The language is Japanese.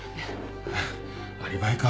アリバイか。